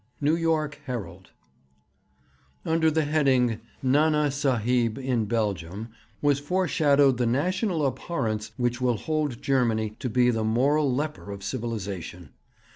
New York Herald. Under the heading 'Nana Sahib in Belgium' was foreshadowed the national abhorrence which will hold Germany to be the moral leper of civilization.